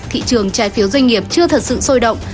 thị trường trái phiếu doanh nghiệp chưa thật sự sôi động